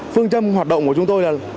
phương châm hoạt động của chúng tôi là